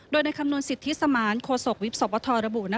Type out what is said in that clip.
โดยในคำนวณสิทธิสมานโคศกวิบสวทรระบุ